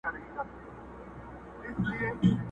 خدای بېشکه مهربان او نګهبان دی٫